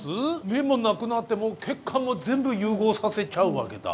目もなくなって血管も全部融合させちゃうわけだ。